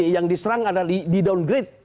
yang diserang di downgrade